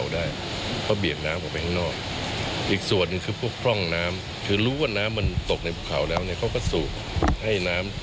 ได้ไง